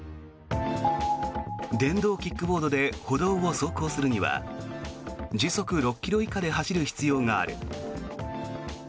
電動キックボードで歩道を走行するには時速６ｋｍ以下で走る必要がある。